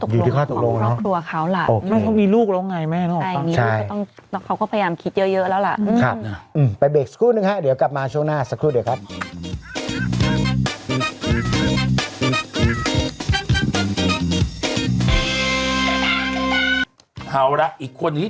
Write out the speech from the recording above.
อยู่ที่ข้อตกลงของรักษาครัวเขาแหละมันต้องมีลูกแล้วไงแม่ตอนนี้